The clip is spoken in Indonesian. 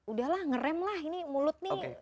udahlah ngeremlah ini mulut nih